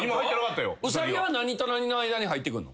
うさぎは何と何の間に入ってくんの？